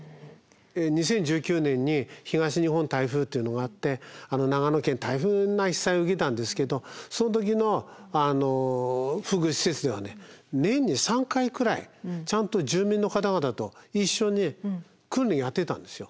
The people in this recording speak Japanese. ２０１９年に東日本台風っていうのがあって長野県大変な被災を受けたんですけどその時の福祉施設ではね年に３回くらいちゃんと住民の方々と一緒に訓練やってたんですよ。